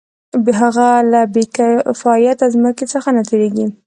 هغه له بې کفایته ځمکې څخه نه تېرېږي